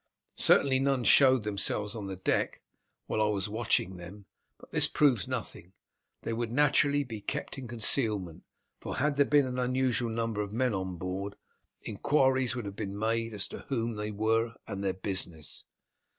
Certainly none showed themselves on the deck while I was watching them. But this proves nothing. They would naturally be kept in concealment, for had there been an unusual number of men on board, inquiries would have been made as to whom they were and their business."